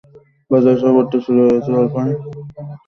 বাজারে সব উঠতে শুরু হয়েছে জলপাই।